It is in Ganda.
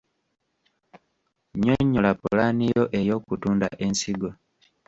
Nnyonnyola pulaani yo ey’okutunda ensigo.